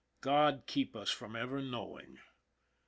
God keep us from ever knowing.